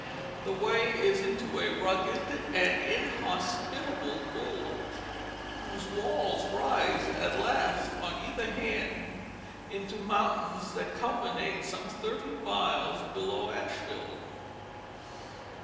The way is into a rugged and inhospitable gorge whose walls rise at last on either hand into mountains that culminate some thirty miles below Asheville.